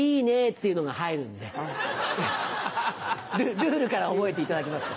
ルールから覚えていただけますか？